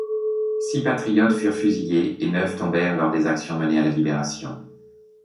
Six patriotes furent fusillés et neuf tombèrent lors des actions menées à la libération.